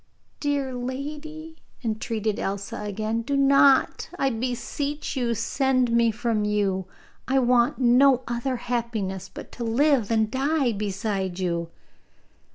'Dear lady,' entreated Elsa again. 'Do not, I beseech you, send me from you. I want no other happiness but to live and die beside you.